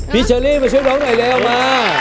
พีเชอรี่มาช่วยเราหน่อยหลายแล้วค่ะ